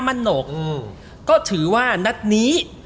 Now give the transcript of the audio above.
มันหนกก็ถือว่านัดนี้